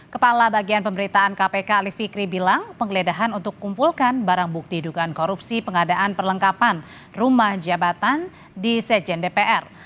kepala bagian pemberitaan kpk alif fikri bilang penggeledahan untuk kumpulkan barang bukti dugaan korupsi pengadaan perlengkapan rumah jabatan di sejen dpr